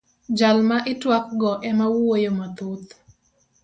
Jal ma itwak go ema wuoyo mathoth.